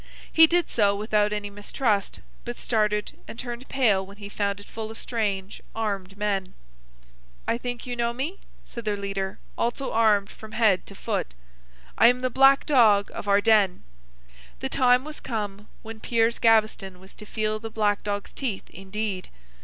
He did so without any mistrust, but started and turned pale when he found it full of strange armed men. 'I think you know me?' said their leader, also armed from head to foot. 'I am the black dog of Ardenne!' The time was come when Piers Gaveston was to feel the black dog's teeth indeed.